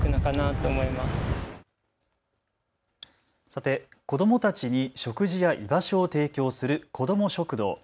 さて、子どもたちに食事や居場所を提供するこども食堂。